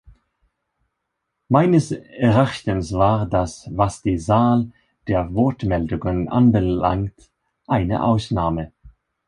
Meines Erachtens war das, was die Zahl der Wortmeldungen anbelangt, eine Ausnahme.